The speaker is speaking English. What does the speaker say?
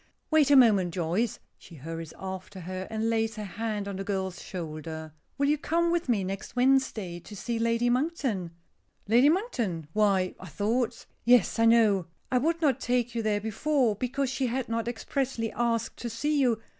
"Wait a moment, Joyce." She hurries after her and lays her hand on the girl's shoulder. "Will you come with me next Wednesday to see Lady Monkton?" "Lady Monkton! Why I thought " "Yes, I know. I would not take you there before, because she had not expressly asked to see you.